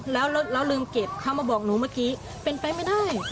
และอย่าให้มีปัญหาการของพ่อมันทัง